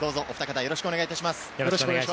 よろしくお願いします。